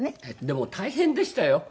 でも大変でしたよ。